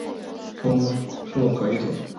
初速可以指